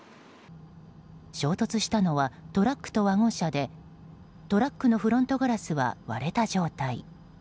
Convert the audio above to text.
衝突したのはトラックとワゴン車でトラックのフロントガラスは割れた状態。